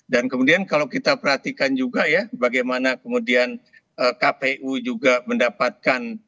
dan kemudian kalau kita perhatikan juga ya bagaimana kemudian kpu juga mendapatkan